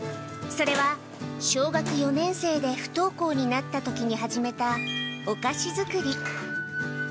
それは、小学４年生で不登校になったときに始めたお菓子作り。